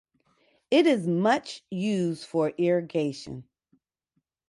It is much used for irrigation.